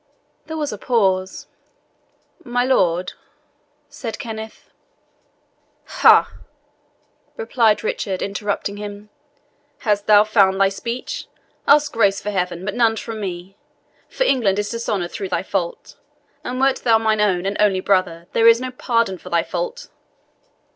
There was a pause. "My lord," said Kenneth "Ha!" replied Richard, interrupting him, "hast thou found thy speech? Ask grace from Heaven, but none from me; for England is dishonoured through thy fault, and wert thou mine own and only brother, there is no pardon for thy fault."